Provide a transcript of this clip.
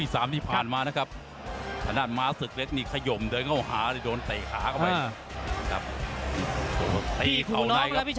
สวยงามพวกนี้จับเงิน